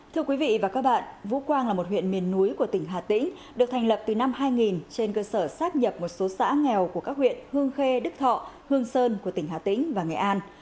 thưa quý vị và các bạn vũ quang là một huyện miền núi của tỉnh hà tĩnh được thành lập từ năm hai nghìn trên cơ sở xác nhập một số xã nghèo của các huyện hương khê đức thọ hương sơn của tỉnh hà tĩnh và nghệ an